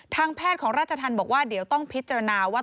ทางแพทย์ของราชธรรมบอกว่าเดี๋ยวต้องพิจารณาว่า